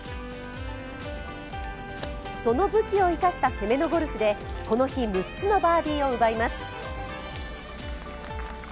その武器を生かした攻めのゴルフでこの日、６つのバーディーを奪います。